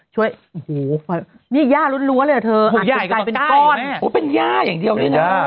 ช่วยโอ้โฮนะอันนี้หญ้าร้วนเหรอเธออัดนั้นถ่ายเป็นก้อนแต่ว่าแม่โหเป็นหญ้าอย่างเดียวนี่นะ